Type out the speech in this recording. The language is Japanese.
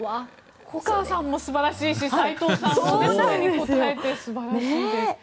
粉川さんも素晴らしいし斎藤さんもそれに応えて素晴らしいです。